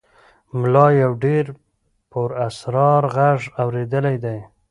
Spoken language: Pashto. ملا یو ډېر پراسرار غږ اورېدلی دی.